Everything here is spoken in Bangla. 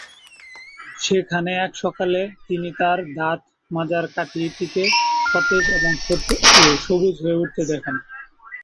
সেখানে এক সকালে তিনি তার দাঁত মাজার কাঠি টিকে সতেজ এবং সবুজ হয়ে উঠতে দেখেন।